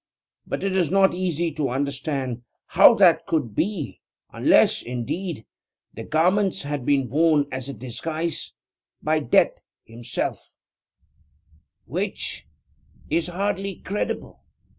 But it is not easy to understand how that could be, unless, indeed, the garments had been worn as a disguise by Death himself which is hardly credible.